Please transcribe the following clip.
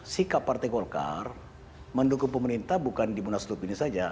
sikap partai golkar mendukung pemerintah bukan di munaslup ini saja